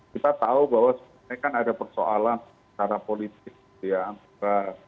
kita tahu bahwa sebenarnya kan ada persoalan secara politik gitu ya